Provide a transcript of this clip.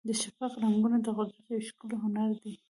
د شفق رنګونه د قدرت یو ښکلی هنر دی.